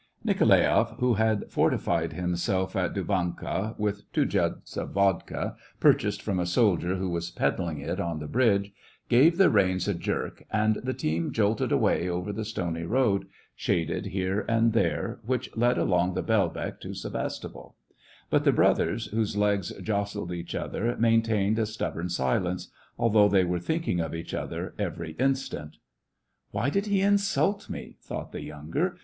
Nikolaeff, who had fortified himself at Du vanka, with two jugs of vodka, purchased from a soldier who was peddling it on the bridge, gave the reins a jerk, and the team jolted away over the stony road, shaded here and there, which led along the Belbek to Sevastopol ; but the brothers, whose legs jostled each other, maintained a stub born silence, although they were thinking of each other every instant. *' Why did he insult me ?" thought the younger.